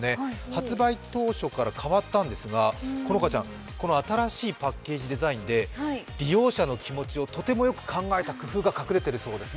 発売当初から変わったんですがこの新しいパッケージデザインで利用者の気持ちをとてもよく考えた工夫が隠れているそうです。